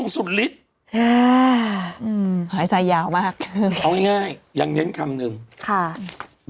สุดฤทธิ์หายใจยาวมากเอาง่ายยังเน้นคำหนึ่งค่ะ